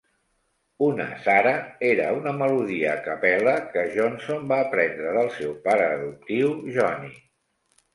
Una, "Sarah", era una melodia a capella que Johnson va aprendre del seu pare adoptiu, Johnny.